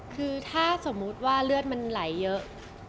คือถ้าสมมุติว่าเลือดมันไหลเยอะ